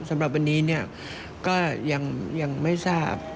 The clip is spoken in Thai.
สำหรับวันนี้ก็ยังไม่ทราบ